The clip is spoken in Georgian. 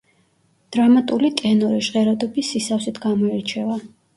დრამატული ტენორი ჟღერადობის სისავსით გამოირჩევა.